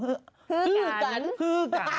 หื้กันหื้กัน